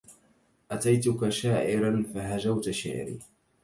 أتيتك شاعرا فهجوت شعري